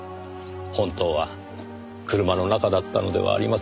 本当は車の中だったのではありませんか？